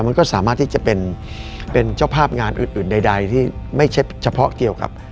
มันก็สามารถที่จะเป็นเจ้าภาพงานอื่นใดที่ไม่ใช่เฉพาะเกี่ยวกับ